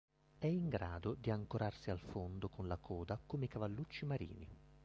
È in grado di ancorarsi al fondo con la coda come i cavallucci marini.